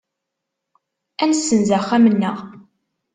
Ad nessenz axxam-nneɣ.